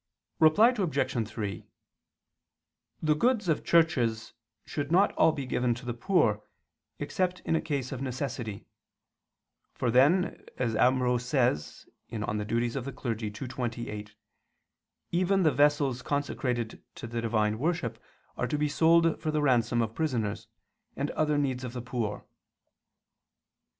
Reply Obj. 3: The goods of churches should not all be given to the poor, except in a case of necessity: for then, as Ambrose says (De Offic. ii, 28), even the vessels consecrated to the divine worship are to be sold for the ransom of prisoners, and other needs of the poor.